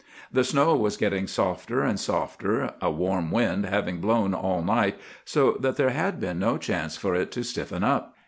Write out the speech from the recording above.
The snow was getting softer and softer, a warm wind having blown all night so that there had been no chance for it to stiffen up.